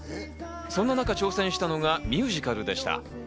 そんな中、挑戦したのがミュージカルでした。